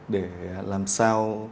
để làm sao